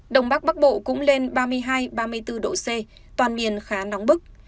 đông bắc bắc bộ cũng lên ba mươi hai ba mươi bốn độ c toàn miền khá nóng bức